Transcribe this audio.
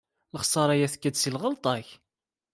Lexsara-yi tekka-d si lɣelṭa-k.